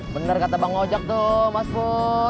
bener kata bang ngajak tuh mas pur